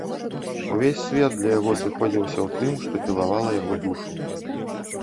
Увесь свет для яго сыходзіўся ў тым, што пілавала яго душу.